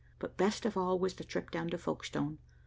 But best of all was the trip down to Folkestone.